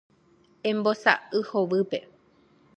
Embosa'y hovýpe.